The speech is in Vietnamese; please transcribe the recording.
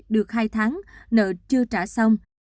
được hai tháng nợ chưa trả xong